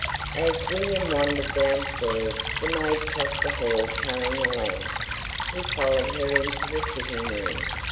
As William wandered downstairs, the maid crossed the hall carrying a lamp. He followed her into the sitting room.